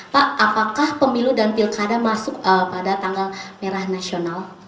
pak apakah pemilu dan pilkada masuk pada tanggal merah nasional